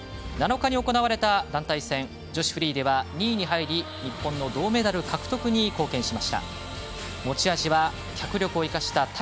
７日に行われた団体戦女子フリーでは２位に入り、日本の銅メダル獲得に貢献しました。